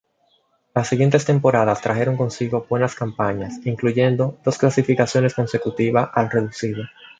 Las siguientes temporadas trajeron consigo buenas campañas, incluyendo dos clasificaciones consecutivas al Reducido.